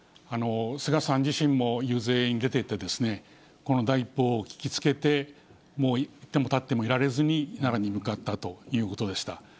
菅さん自身も遊説に出ていて、この第一報を聞きつけて、もういてもたってもいられずに、奈良に向かったということでした。